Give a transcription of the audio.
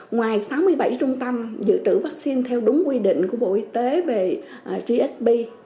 ngoài sáu mươi bảy trung tâm giữ trữ vaccine theo đúng quy định của bộ y tế về gsp